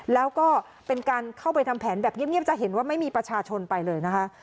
แล้วก็เป็นการเข้าไปทำแผนแบบเงียบจะเห็นว่าไม่มีประชาชนไปเลยนะคะ